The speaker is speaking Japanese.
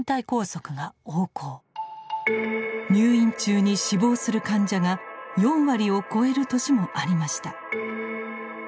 入院中に死亡する患者が４割を超える年もありました。